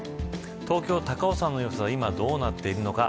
東京、高尾山の様子は今どうなっているのか。